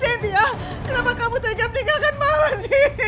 sintia kenapa kamu tinggal tinggalkan mama sih